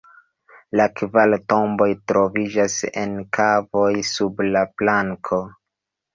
La kvar tomboj troviĝas en kavoj sub la planko.